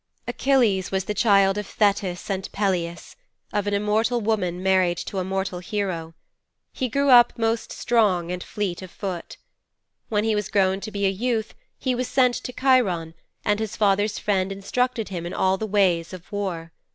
'Achilles was the child of Thetis and Peleus of an immortal woman married to a mortal hero. He grew up most strong and fleet of foot. When he was grown to be a youth he was sent to Cheiron, and his father's friend instructed him in all the ways of war.